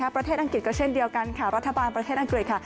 ประเทศอังกฤษก็เช่นเดียวกันรัฐบาลประเทศอังกฤษ